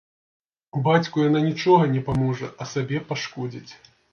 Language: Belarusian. Бацьку яна нічога не паможа, а сабе пашкодзіць.